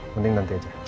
mending nanti aja